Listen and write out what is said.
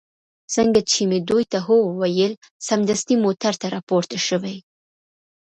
څنګه چې مې دوی ته هو وویل، سمدستي موټر ته را پورته شوې.